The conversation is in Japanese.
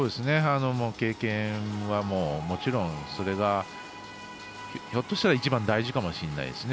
経験はもちろんそれが、ひょっとしたら一番大事かもしれないですね。